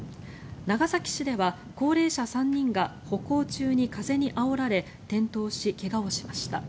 長崎市では高齢者３人が歩行中に風にあおられ転倒し、怪我をしました。